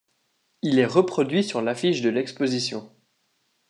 Il est reproduit sur l'affiche de l'exposition.